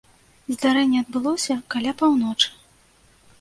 Здарэнне адбылося каля паўночы.